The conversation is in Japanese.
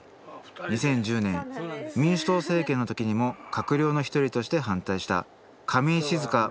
２０１０年民主党政権の時にも閣僚の一人として反対した事実婚夫婦？